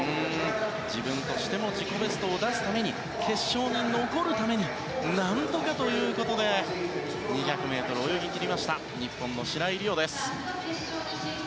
自分としても自己ベストを出すために決勝に残るために何とかということで２００ｍを泳ぎ切りました日本の白井璃緒です。